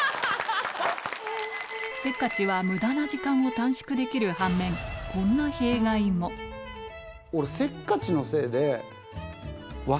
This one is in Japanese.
せっかちは無駄な時間を短縮できる反面こんな弊害も分かる！